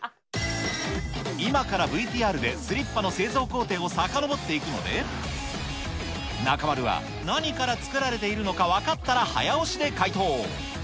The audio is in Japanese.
今からＶＴＲで、スリッパの製造工程をさかのぼっていくので、中丸は何から作られているのか分かったら早押しで回答。